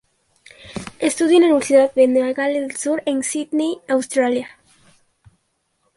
Estudió en la Universidad de Nueva Gales del Sur, en Sydney, Australia.